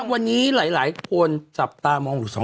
วันนี้หลายคนจับตามองอยู่